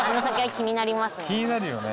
気になるよね。